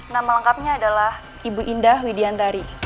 nama lengkapnya adalah ibu indah widiantari